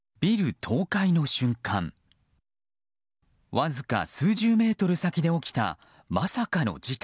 わずか数十メートル先で起きたまさかの事態。